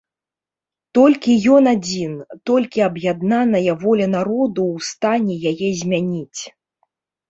Толькі ён адзін, толькі аб'яднаная воля народу ў стане яе змяніць.